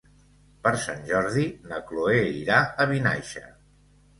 Per Sant Jordi na Cloè irà a Vinaixa.